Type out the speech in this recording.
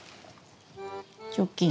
チョキン。